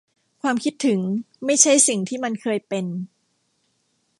ความคิดถึงไม่ใช่สิ่งที่มันเคยเป็น